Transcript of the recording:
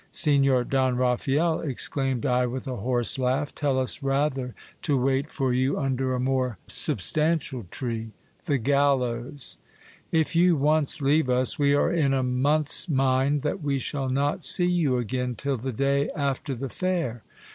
Signor Don Raphael, exclaimed I with a horse laugh, tell us rather'to wait for you under a more substantial tree ; the gallows. If you once leave us, we are in a month's mind that we shall not see you again till the day after the fair.